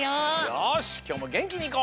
よしきょうもげんきにいこう！